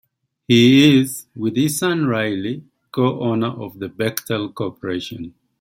He is, with his son Riley, co-owner of the Bechtel Corporation.